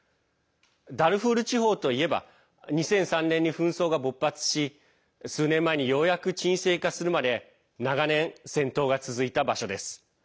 ダルフール地方といえば２００３年に紛争が勃発し数年前にようやく沈静化するまで長年、戦闘が続いた場所です。